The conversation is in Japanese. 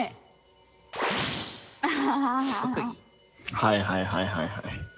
はいはいはいはい。